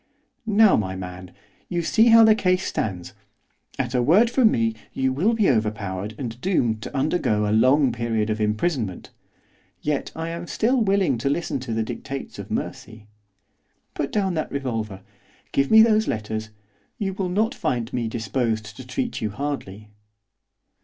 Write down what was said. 'Now, my man, you see how the case stands, at a word from me you will be overpowered and doomed to undergo a long period of imprisonment. Yet I am still willing to listen to the dictates of mercy. Put down that revolver, give me those letters, you will not find me disposed to treat you hardly.